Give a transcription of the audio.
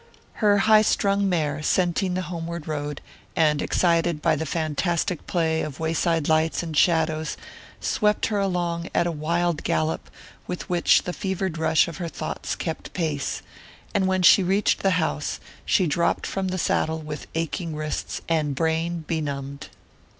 Her high strung mare, scenting the homeward road, and excited by the fantastic play of wayside lights and shadows, swept her along at a wild gallop with which the fevered rush of her thoughts kept pace, and when she reached the house she dropped from the saddle with aching wrists and brain benumbed.